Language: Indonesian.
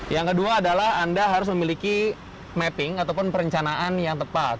yang kedua adalah anda harus memiliki mapping ataupun perencanaan yang tepat